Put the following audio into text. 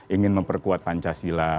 ingin memperkuat pancasila